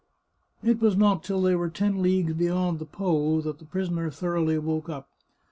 It was not till they were ten leagues beyond the Po that the prisoner thoroughly woke up.